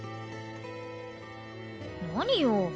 何よ？